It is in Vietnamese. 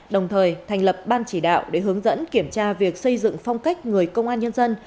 đồng thời thành lập ban chỉ đạo để hướng dẫn kiểm tra việc xây dựng phong cách người công an nhân dân